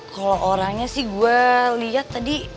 kalo orangnya sih gue liat tadi